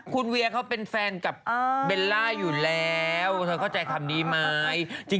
คุณเวียเขาเป็นแฟนกับเบลล่าอยู่แล้วเธอเข้าใจคำนี้ไหม